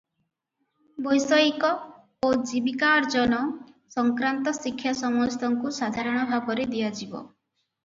ବୈଷୟିକ ଓ ଜୀବିକାର୍ଜନ ସଂକ୍ରାନ୍ତ ଶିକ୍ଷା ସମସ୍ତଙ୍କୁ ସାଧାରଣ ଭାବରେ ଦିଆଯିବ ।